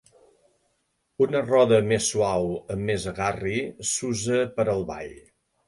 Una roda més suau amb més agarri s'usa per al ball.